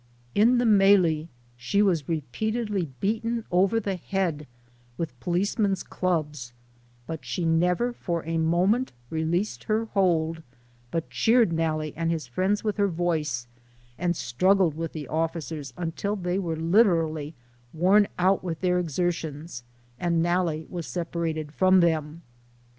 In the melee, she was repeatedly beaten over the head with policemen's clubs, but she never for a moment released her hold, but cheered Nalle and his friends with her voice, and struggled with the officers un til they were literally worn out with their exer tions, and Nalle was separated from them.